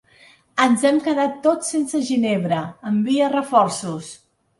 Ens hem quedat tots sense ginebra, envia reforços!